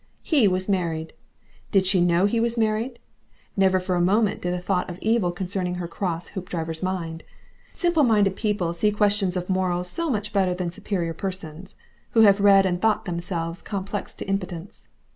HE was married. Did she know he was married? Never for a moment did a thought of evil concerning her cross Hoopdriver's mind. Simple minded people see questions of morals so much better than superior persons who have read and thought themselves complex to impotence.